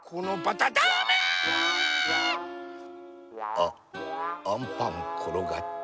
あっアンパンころがった。